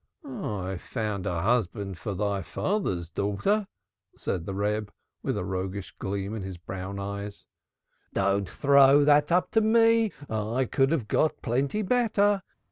"I found a husband for thy father's daughter," said the Reb, with a roguish gleam in his brown eyes. "Don't throw that up to me! I could have got plenty better.